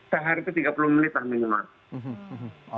sehari itu tiga puluh menit lah minimal